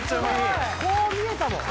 こう見えたもん。